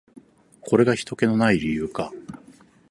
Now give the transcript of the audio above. これがひとけの無い理由か。